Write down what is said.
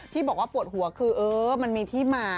ที่บอกว่าปวดหัวคือเออมันมีที่มา